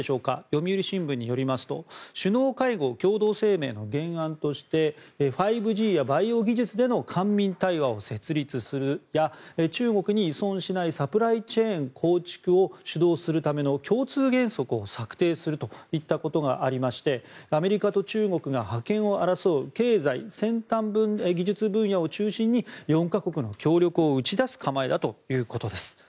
読売新聞によりますと首脳会合、共同声明の原案として５Ｇやバイオ技術での官民対話を設立するや中国に依存しないサプライチェーンの構築を主導するための共通原則を策定するといったことがありましてアメリカと中国が覇権を争う経済・先端技術分野を中心に４か国の協力を打ち出す構えだということです。